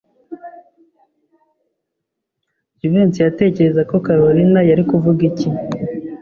Jivency yatekerezaga ko Kalorina yari kuvuga iki?